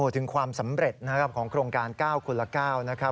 ถึงความสำเร็จนะครับของโครงการ๙คนละ๙นะครับ